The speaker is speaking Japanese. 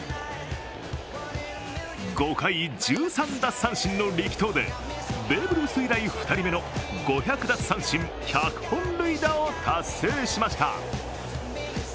５回１３奪三振の力投でベーブ・ルース以来２人目の５００奪三振・１００本塁打を達成しました。